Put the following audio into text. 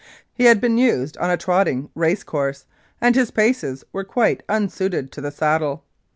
He had been used on a trotting race course, and his paces were quite unsuited to the saddle.